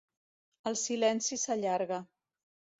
El silenci s'allarga.